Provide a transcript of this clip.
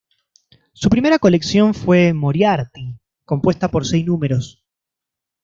Su primera colección fue Moriarty, compuesta por seis números.